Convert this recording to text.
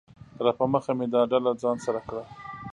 راپه مخه مې دا ډله ځان سره کړه